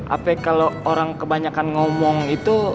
apa kalau orang kebanyakan ngomong itu